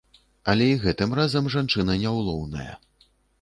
Але і гэтым разам жанчына няўлоўная.